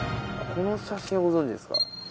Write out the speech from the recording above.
この写真ご存じですか？